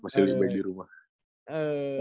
masih lebih baik di rumah